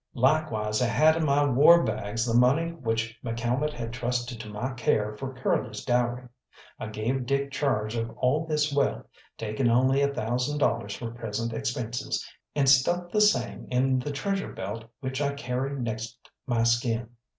Likewise I had in my warbags the money which McCalmont had trusted to my care for Curly's dowry. I gave Dick charge of all this wealth, taking only a thousand dollars for present expenses, and stuffed the same in the treasure belt which I carry next my skin.